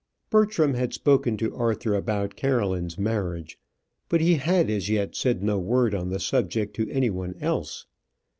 Bertram had spoken to Arthur about Caroline's marriage, but he had as yet said no word on the subject to any one else.